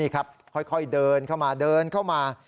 ค่อยเดินเข้ามาเดินเข้ามา